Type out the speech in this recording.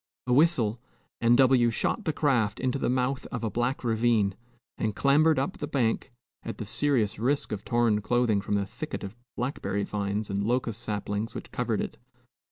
A whistle, and W shot the craft into the mouth of a black ravine, and clambered up the bank, at the serious risk of torn clothing from the thicket of blackberry vines and locust saplings which covered it.